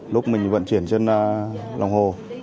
lúc mình vận chuyển trên lồng hồ